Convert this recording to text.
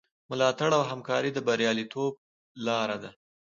ملاتړ او همکاري د بریالیتوب لاره ده.